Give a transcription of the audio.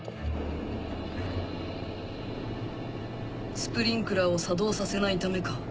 スプリンクラーを作動させないためか？